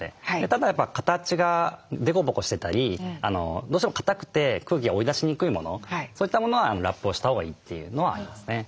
ただ形が凸凹してたりどうしても硬くて空気が追い出しにくいものそういったものはラップをしたほうがいいというのはありますね。